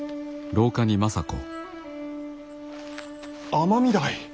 尼御台。